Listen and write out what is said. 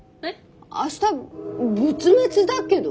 明日仏滅だけど。